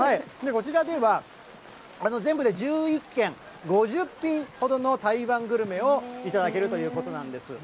こちらでは、全部で１１軒、５０品ほどの台湾グルメを頂けるということなんです。